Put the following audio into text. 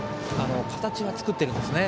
形は作ってるんですね。